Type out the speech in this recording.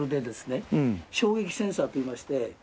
衝撃センサーといいまして。